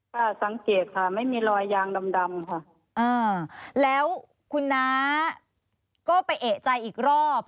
ค่ะสังเกตค่ะไม่มีรอยยางดำดำค่ะอ่าแล้วคุณน้าก็ไปเอกใจอีกรอบ